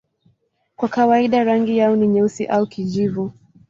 Kwa kawaida rangi yao ni nyeusi au kijivu.